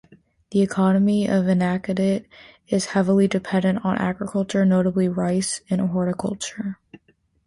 The economy of Inakadate is heavily dependent on agriculture, notably rice and horticulture.